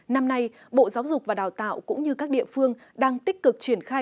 năm nay bộ giáo dục và đào tạo cũng như các địa phương đang tích cực triển khai